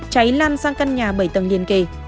cháy lan sang căn nhà bảy tầng liên kề